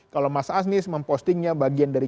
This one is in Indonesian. kalau mas anies mempostingnya bagian dari